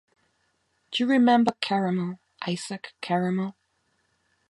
D'you remember Caramel, Isaac Caramel?